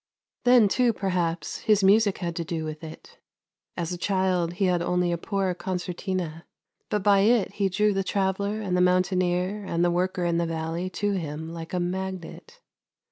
Then too perhaps his music had to do with it. As a child he had only a poor concertina, but by it he drew the traveller and the mountaineer and the worker in the valley to him like a magnet.